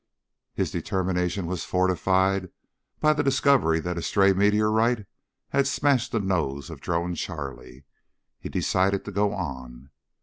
His determination was fortified by the discovery that a stray meteorite had smashed the nose of Drone Charlie. He decided to go on.